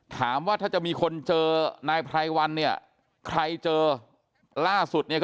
ถามว่าถ้าจะมีคนเจอนายไพรวันเนี่ยใครเจอล่าสุดเนี่ย